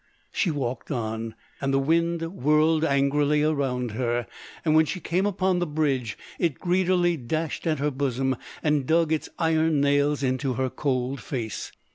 She walked on, and the wind whirled angrily round her; and when she came upon the bridge it greedily dashed at her bosom, and dug its iron nails into her cold face.